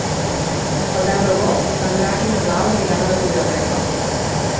El deu d'agost en Drac i na Blau aniran a la biblioteca.